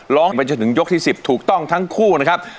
ไปจนถึงยกที่๑๐ถูกต้องทั้งคู่นะครับ